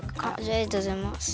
ありがとうございます。